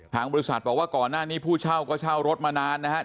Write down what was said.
ทางบริษัทบอกว่าก่อนหน้านี้ผู้เช่าก็เช่ารถมานานนะครับ